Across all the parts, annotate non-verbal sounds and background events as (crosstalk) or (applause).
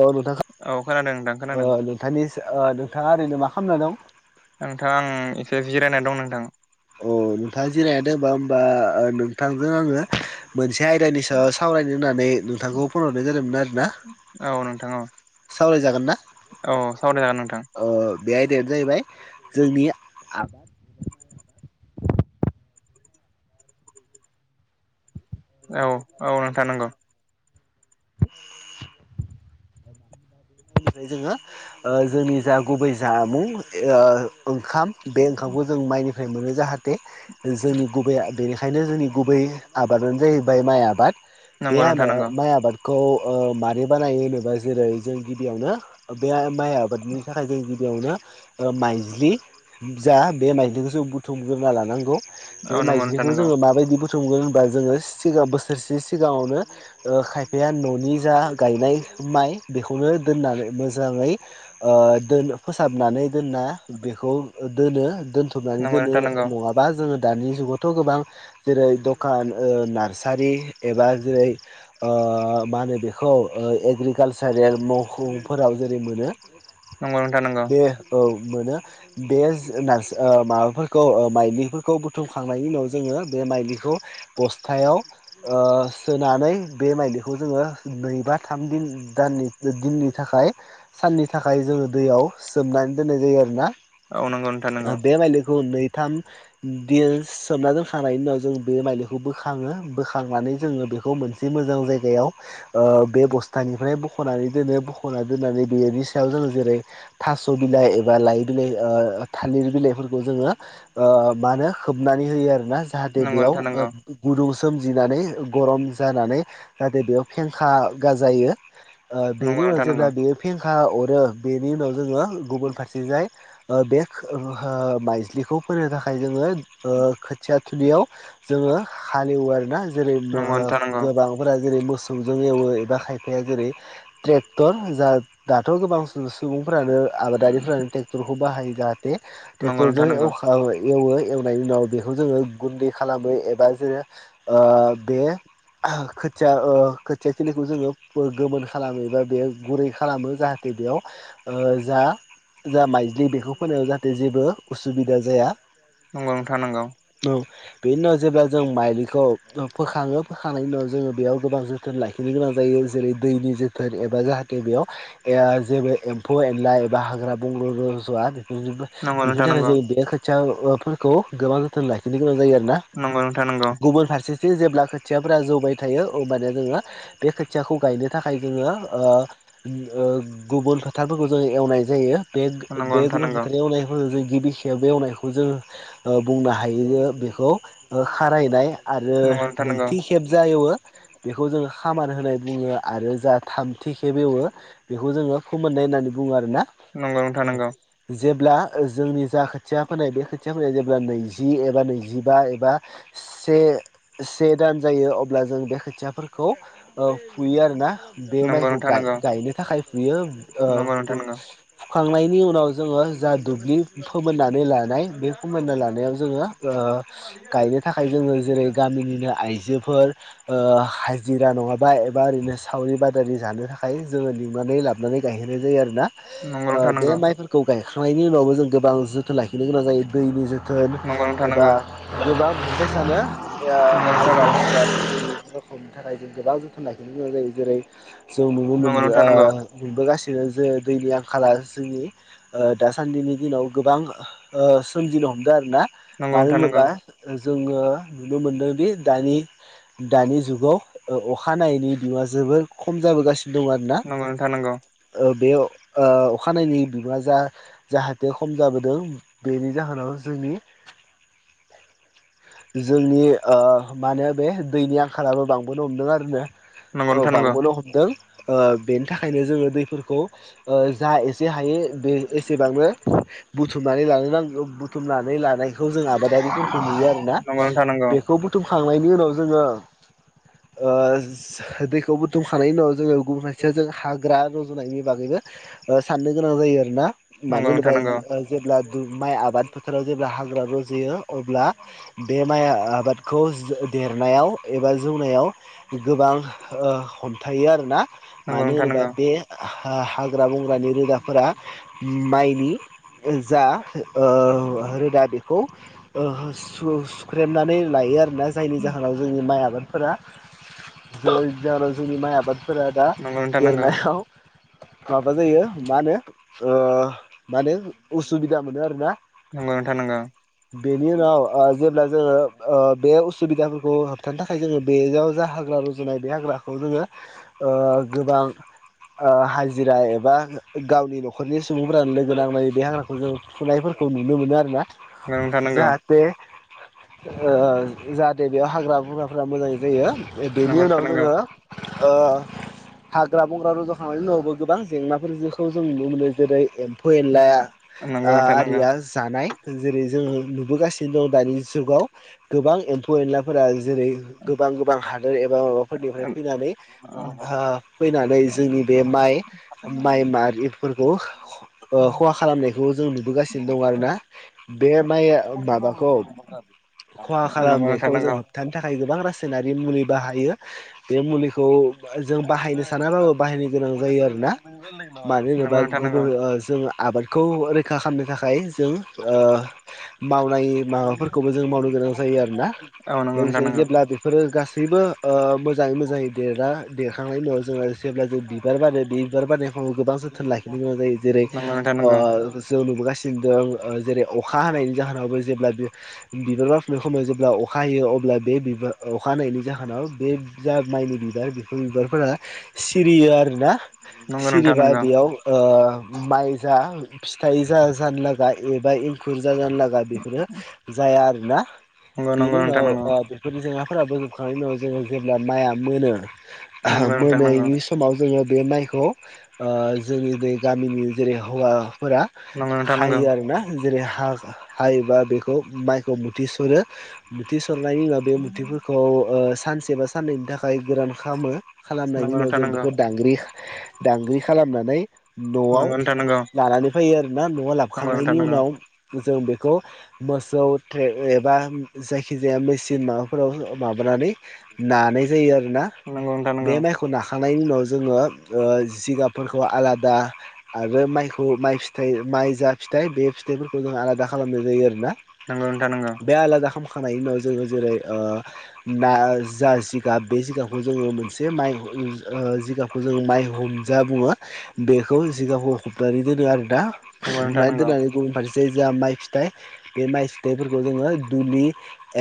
औ नोंथां औ खोनादों नोंथां ओ खोनादों नोंथांनि ओ नोंथाङा ओरैनो मा खालामना दं नोंथां आं एसे जिरायनाय दं नोंथां अ नोंथाङा जिराय द हबा होमबा नोंथांजों आङो मोनसे बे आयदानि सायाव सावरायनो होननानै नोंथांखौ फन हरनाय जादोंमोन आरोना औ नोंथां औ सावराय जागोन ना औ सावरायजागोन नोंथां अ बे आयदायानो जाहैबाय जोंनि आबाद। औ औ नोंथ नांगौ बेनिफ्राय जोङो ओ जोंनि जा गुबै जामुं। ओंखाम बे ओंखामखौ जों माइनिफ्राय मोनो जाहाथे जोंनि गुबैया। बेनिखायनो जोंनि गुबै आबादानो जाहैबाय माइ आबाद बे नंगौ नोंथां नंगौ माइ आबादखौ। ओ मारि बानायो होनोबा जेरै जों गिबियावनो बे माइ आबादनि थाखाय जों गिबियावनो। ओ माइज्लि जा बे माइज्लिखौसो बुथुमग्रोना लानांगौ औ बे नंगौ नोंथां माइज्लिखौ नंगौ जोङो माबायदि बुथ बुथुमगोन होनबा जोङो सिगां बोसोरसे सिगाङावनो ओ खायफाया ननि जा गायनाय माइ बे खौनो दोननानै मोजाङै ओ दोन फोसाबनानै दोनना बेखौ। दोनो दोनथुमनानै नंगौ दोनो नोंथां नंगौ नङाबा जोङो। दानि जुगावथ गोबां जेरै दखान नार्सारि एबा जेरै मा होनो बेखौ ओ एग्रिकालसारेल मावखफोराव जेरै मोनो नंगौ नोंथां नंगौ बे औ मोनो बे नार माबाफोरखौ ओ माइलिफोरखौ बुथुमखांनायनि उनाव जोङो बे बे माइखौ बस्थायाव ओ सोनानै बे माइलिखौ जोङो नैबा। थाम दिन दानि दिननि थाखाय साननि थाखाय जोङो दैयाव सोमनानै दोननाय जायो आरोना औ नंगौ नोंथां आ नंगौ बे माइलखौ नै। थाम दिन सोमना दोनखांनायनि उनाव जों बे माइलिखौ बोखाङो बोखांनानै जोङो बे। बेखौ मोनसे मोजां जायगायाव ओ बे बस्थानिफ्राय। बखनानै दोनो बखना दोननानै बेनि सायाव जोङ जेरै थास बिलाइ एबा ओ लाइ बिलाइ थालिर बिलाइफोरखौ जोङो ओ मा होनो खोबनानै होयो आरोना ज जाहाथे बेयाव ओ गुदुं सोमजिनानै गरम जानानै जाहाथे बेयाव फेंखा गाजायो। ओ नंगौ बेनि उनाव नोंथां नंगौ जेब्ला बेयो फेंखा अरो बेनि उनाव जोङो गुबुन फारसे जाय। ओ बे माइज्लिखौ फोनो थाखाय ओ जोङो खोथिया थुलियाव जोङो हालेवो आरोना जेरै नंगौ नोंथां नंगौ गोबांफोरा जेरै मोसौ जों एवो एबा खायफाया जेरै ट्रेक्टर दाथ गोबां सम सुबुंफ्रानो आबादारिफ्रानो ट्रेक्टरखौ बाहायो। जाहाथे बे नंगौ नोंथां ट्रेक्टरजों नंगौ एवो नायनि उनाव बेखौ जोङो गुन्दै खालामो एबा जों बे खोथिया ओ खोथिया थिलिखौ जोङो गोमोन खालामो एबा बे गुरै खालामो। जाहाथे बेयाव ओ जा जा माइज्लि बेखौ फोनायाव जाहाथे जेबो उसुबिदा जाया। नंगौ नोंथां नंगौ औ बेनि उनाव जेब्ला जों माइलिखौ फोखाङो फोखांनायनि उनाव जोङो बेयाव गोबां जोथोन लाखिनो गोनां जायो। जेरै दैनि जो थोन एबा जाहाथे बेयाव जेबो ए एम्फौ एनला एबा हाग्रा बंग्रा रज'वा नंगौ बेफोरनि नोंथां थाखाय नंगौ जों बे खोथियाफोरखौ गोबां जोथोन लाखिनो गोनां जायो। ना नंगौ नोंथां नंगौ गुबुन फारसेथिं जेब्ला खोथियाफोरा जौबाय थायो। अब्लानिया जोङो बे खोथियाखौ गायनो थाखाय जोङो ओ गुबुन फोथारफोरखौ जोङो एवनाय जायो। बे नंगौ नोंथां गुबुन फोथारफोर एवनायफोरखौ जों गिबि खेब एवनायखौ जोङो बुंनो हायो। बेखौ खारायनाय आरो नंगौ नैथि खेब जायो बेखौ जोङो खामार होनाय बुङो आरो‌। जा थामथिखेब एवो बेखौ जोङो फोमोननाय होननानै बुङो आरो ना नंगौ नोंथां औ नंगौ जेब्ला जोंनि जा खोथिया फोनाय बे खोथिया फोनाया जेब्ला नैजि एबा नैजिबा एबा से से दान जायो अब्ला जों बे खोथियाफोरखौ फुयो आरोना। बे माइखौ नंगौ नोंथां नंगौ नोंथां गाय नंगौ गायनो थाखाय फुयो नंगौ नोंथां नंगौ फुखांनाय नि उनाव जोङो जा दुब्लि फोमोननानै लानाय बे फोमोनना लानायाव जोङो गायनो थाखाय जोङो जेरै गामिनिनो आइजोफोर ओ हाजिरा नङाबा एबा ओरैनो सावरि बादा दारि जानो थाखाय जोङो लिंनानै लाबानै गायहोननाय जायो आरोना नंगौ नोंथां बे नंगौ माइफोरखौ गाय खांनायनि उनावबो जों गोबां जोथोन लाखिनो गोनां जायो। दैनि जोथोन नंगौ नोंथां नंगौ नोंथां एबा नंगौ गोबां (inaudible) सानो हाग्रा बंग्रा रजयि रोखोमनि थाखाय जों गोबां जोथोन लाखिनो गोनां जायो। जेरै जों नुनो मोन नंगौ नोंथां नंगौ नुबोगासिनो जों जे दैनि आंखाला जोंनि ओ दासान्दिनि दिनाव गोबां ओ सोमजिनो हमदों आरोना नंगौ मानो नोंथां नंगौ होनोबा जोङो नुनो मोन्दोंदि दानि दानि जुगाव अखानायैनि बिवा जोबोर खम जाबोगासिनो दं आरोना नंगौ नोंथां नंगौ ओ बे औ अ खानायनि बिबाङा जा जाहाथे खम जाबोदों बेनि जाहोनाव जोंनि (inaudible) जोंनि ओ मानो बे दैनि आंखालाबो बांबोनो हमदों आरोना। नंगौ नोंथां ओ बांबोनो हमदों ओ बेनि थाखायनो जोङो दैफोरखौ जा एसे हायो। बे एसेबांनो बुथुमनानै लानो नांगौ बुथुमनानै लानाय बेखौ जों आबादारिफोरखौ नुयो आरोना नंगौ बेखौ बुथुम खांनायनि उनाव जोङो ओ दै खौ बुथुमखांनायनायनि उनाव जोङो गुबुन फारसेयाव जों हाग्रा रुजुनायनि बागैबो साननो गोनां जायो आरोना। मानो नंगौ नोंथां होनोबा नंगौ जेब्ला माइ आबाद फोथाराव जेब्ला हाग्रा रुजुयो। अब्ला बे माइ आबादखौ देरनायाव एबा जौनायाव गोबां ओ हमथायो आरोना मानो होनोबा बे ओ हाग्रा बंग्रानि रोदाफोरा माइनि जा रोदा ओ बेखौ सुख्रेमनानै लायो आरो। दा जायनि जाहोनाव जोंनि माइ आबादफोरा (inaudible) जाहोनाव जोंनि माइ आबाद फोरा दा नंगौ नोंथां नंगौ देरनायाव माबा जायो मा होनो ओ मा होनो उसुबिदा मोनो आरोना नंगौ नोंथां नंगौ। बेनि उनाव ओ जेब्ला जोङो बे उसुबिदाफोरखौ होबथानो थाखाय जोङो बेयाव जा हाग्रा (unintelligible) रुजुनाय बे हाग्राखौ जोङो ओ गोबां ओ हाजिरा एबा गावनि न'खरनि सुबुंफोरानो लोगो नांनाय बे हाग्राखौ जों फुनायफोर खौ नुनो मोनो आरो ना नंगौ नोंथां नंगौ जाहाथे जाहाथे बेयाव हाग्रा बंग्राफोरा मोजां जायो बेनि नंगौ नोंथां उनाव नंगौ जोङो औ हाग्रा बंग्रा रज' खांनायनि उनावबो गोबां जेंनाफोरखौ जों नुनो मोनो जेरै एम्फौ एनलाया नंगौ नोंथां नंगौ आरिया जानाय जेरै जोंङो नुबोगासिनो दं दानि जुगाव गोबां एम्फौ एनलाफोरा जेरै गोबां गोबां हादोर एबा माबाफोरनिफ्राय फैनानै जोंनि बे माइ माइ मारिफोरखौ ओ खहा खालामनायखौ जों नुबोगासिनो दं आरोना बे माइ माबाखौ खहा नंगौ नोंथां खालामनायखौ जों नंगौ होबथानो थाखाय गोबां रसाइनारि मुलि बाहायो बे मुलिखौ जों बाहायनो सानाबाबो बाहायनो गोनां जायो आरोना मानो नंगौ होनोबा नोंथां नंगौ गुबुन जोंङ आबादखौ रैखा खालामनो थाखाय जों मावनाय माबाफोरखौबो जों मावनो गोनां जायो आरोना लोगोसे जेब्ला बेफोरो गासैबो मोजाङै मोजाङै देरा देखांनायनि उनाव जोङो जेब्ला जों बिबार बारो बे बिबार बारनाय समाव गोबां जोथोन लाखि जायो जेरै नंगौ नोंथां नंगौ नोंथां नंगौ जों नुबोगासिनो द जेरै अखा हानायनि जाहोनावबो जेब्ला बिबार बार फुंनाय समाव जेब्ला अखा हायो अब्ला बेबार अखा हानायायनि जाहोनाव बे जा माइनि बिबार बेफोर बिबारफोरा सिरियो आरोना औ नंगौ नोंथां सिरिबा बेयाव ओ माइ जा फिथाइ जाजानो लागा एबा एंखुर जाजानो लागा बेफोरो जाय जाया आरोना बेनि नंगौ उनाव बेफोरनि जों फोराबोजोबखांनायनि उनाव जोङो जेब्ला माइआ मोनो नंगौ नोंथां नंगौ मोनैनि समाव जोङो बे माइखौ खौ जोंनि बे गामिनि जेरै हौवाफोरा नंगौ नोंथां नंगौ नोंथां नंगौ हायो आरोना जेरै हा हायोबा बेखौ माइखौ मुथि सरो मुथि सरो सरनायनि उनाव बे मुथिफोरखौ सानसे बा साननैनि थाखाय गोरान खालामो नंगौ खालामनायनि उनाव नोंथां जों नंगौ बेखौ दांग्रि दांग्रि खालामनानै न'आव नंगौ नोंथां नंगौ लानानै फैयो आरोना न'आव नंगौ नोंथां लाबोखांनायनि नंगौ उनाव जों बेखौ मोसौ एबा जायखिजाया मेसिन माबाफोराव माबानानै नानै नानाय जायो आरो ना नंगौ नोंथां नंगौ खांनायनि उनाव जोङो जिगाबफोरखौ आलादा आरो माइखौ माइ फिथाइ माइ जा फिथाइ बे फिथाइफोरखौ जों आलादा खालामनाय जायो आरो ना नांगौ नोंथां नंगौ खानाय उनाव जोङो जेरै ना जा जिगाब बे जिगाबखौ जोङो मोनसे माइ जिगाबखौ जोङ माइ हम जा बुङो बेखौ सिगांखौ हबनानै दोनो आरोना मे दोननानै गुबुन फारसे जोंहा माइ फिथाइ बे माइ फिथाइफोरखौ जोङो दुलि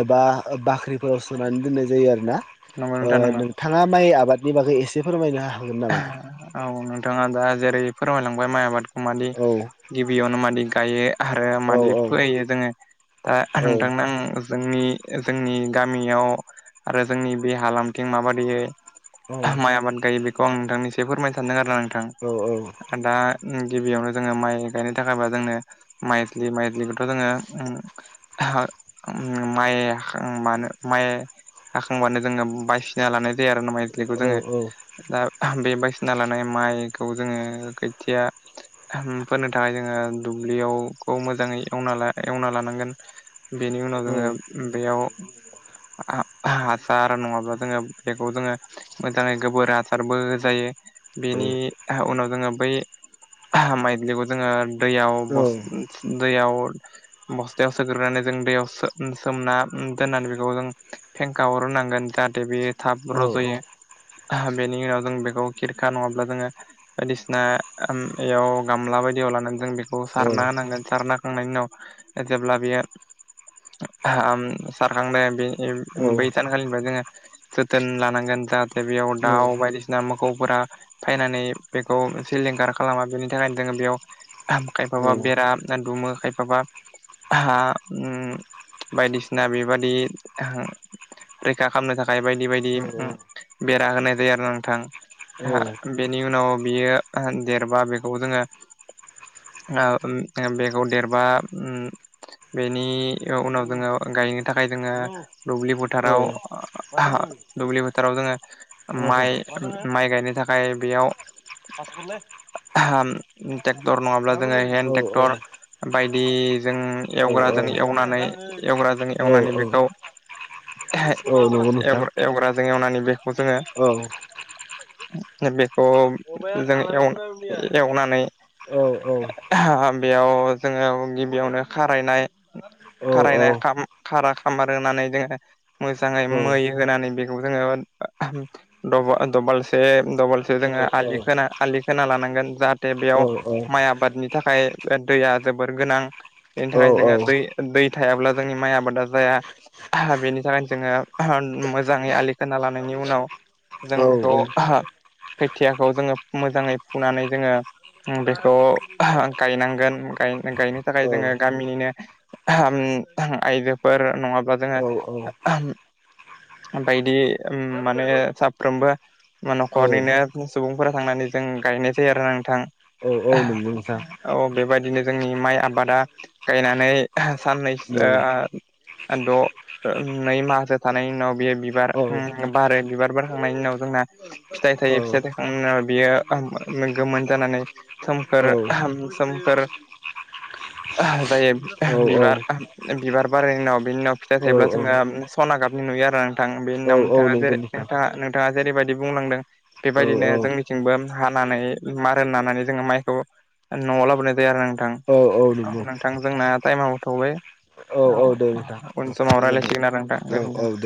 एबा बाख्रि फोराव सोनानै दोननाय जायो आरोना नंगौ नोंथां नंगौ नोंथाङा माइ आबादनि बागै एसे फोरमायनो हागोन नामा औ नोंथाङा दा जेरै फोरमायलांबाय माइ आबादखौ मादे औ गिबियावनो मादि गायो आरो औ मादि औ फोयो जोङो दा औ नोंथांनो आं जोंनि जोंनि गामियाव आरो जोंनि बे हालामथिं माबायदियै औ माइ आबाद गायो बेखौ आं नोंथांनि ए फोरमायनो सानदों आरोना औ नोंथां दा गिबियावनो जोङो माइ गायनो थाखायबा जोंनो माजुलि माइ्जुलिखौथ' जोङो माइ हाखांबानो माइ हाखांबानो जोङो बायसिना लानाय जायो आरो माइजुलिखौ औ जोङो औ दा बे बायदिसिना लानाय माइखौ जोङो खोथिया फोनो थाखाय जोङो दुब्लियावखौ मोजाङै एवना लानांगोन बेनि उनाव जोंङो बेयाव हासार नंङाब्ला जोङो बेखौ जोंङो मोजाङै गोबोर हार हारबो जायो बेनि उनाव जोंङो बै माइलिखौ जोंङो दैयाव दैयाव बस्थायाव सोग्रोनानै जों दैयाव सोमना दोननानै बेखौ जों थेंकायाव रुनांगोन जाहाथे बेयो थाब रज'यो बेनि उनाव जों बेखौ खिरखा नंङाब्ला जोंङो बायदिसिना बेयाव गामला बायदियाव लानानै जों औ सारना होनांगोन सारना खांनायनि उनाव जेब्ला बियो सारखांदों बे औ बै सानखालिनिफ्राय जोंङो जोथोन लानांगोन जाहाथे बेयाव दाउ बायदिसिना मो गौफोरा फैनानै बेखौ सिलिंखार खालामा बेनि थाखायनो जोंङो बेयाव खायफाबा बेरा ना दुमो खायफाबा हा बायदिसिना बेबादि रैखा खालामनो थाखाय थाखाय बायदि बायदि बेरा होनाय जायो आरो नोंथां बेनि उनाव बियो देरबा बेखौ जोंङो बेगखौ देरबा बेनि उनाव जोंङो गायनो थाखाय जोंङो दुब्लिोथाव दुब्लि फोथाराव जोंङो माइ माइ गायनो थाखाय बेयाव नङाब्ला जोंङो हेन्द ट्रेक्टर बायदि जों औ एवग्राजों एवनानै एवग्राजों एवनानै बेखौ औ नंगौ नोंथां एवग्राजों एवनानै बेखौ जोंङो औ बेखौ जों एवनानै औ - औ बेयाव जोंङो गिबियावनो खारायनाय औ खारायनाय खाम खारा खामार होनानै जोंङो मोजांङै औ मै होनानै बेखौ जोंङो दसे दलसे जोंङो औ औ आलि ख आलि खोना लानांगोन जा दे औ बेयाव औ माइ आबादनि थाखाय दैया जोबोर गोनां बेनि थाखायनो जोंङो दै औ दै थायाब्ला जोंनि माइ आबादा जाया बेनि थाखायनो जोंङो मोजाङै आलि खोना लानायनि उनाव जों बेखौ खोथियाखौ जोंङो मोजाङै फुनानै जोंङो बेखौ गायनांगोन गायनो थाखाय जोंङो गामिनिनो आइजोफोर नंङाब्ला औ जोंङो बायदि माने साफ्रोमबो औ न'खरनिनो सुबुंफोरा थांनानै जों गायनाय जायो आरोा नोंथां औ नंगौ नोंथां औ बेबायदिनो जोंनि माइ आबादा गायनानै साननैसो औ द' नै माहासो थानायनि उनाव बेयो बिबार औ बारो बिबार थांनायनि उनाव जोंना फिथाइ थायो औ फिथाइ थाखांनायनि उनाव बियो गोमोन जानानै औ औ सोमखोर सोमखोर (inaudible) जायो औ बिबार बिबार बारनायनि उनाव बिनि उनाव फिथाइ थायोब्ला जोंङो सना गाबनि उनाव आरो नोंथां बेनि औ उनाव औ नोंथांङा नंगौ जेरै नोंथां नोंथांङा जेरैबायदि बुंलांदों औ बेबायदिनो जोंनिथिंबो हानानै मार होननानै जोंङो माइखौ न'आव लाबोनाय जाया आरो नोंथां औ नंगौ नोंथां जोंना टाइमाबोथौबाय औ दे नोंथां उन समाव गोजोनथों रायज्लायसिगोन आरो नोंथां औ गोजोनथों। दे